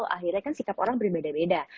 akhirnya kan sikap orang berbeda beda